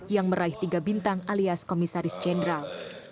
yang meraih tiga bintang alias komisaris jenderal